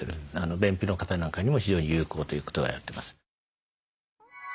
便秘の方なんかにも非常に有効ということが言われてます。